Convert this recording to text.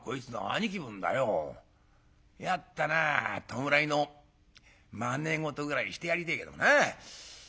弱ったな弔いのまね事ぐらいしてやりてえけどな。